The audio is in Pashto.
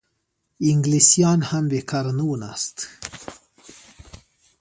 انګلیسیان هم بېکاره نه وو ناست.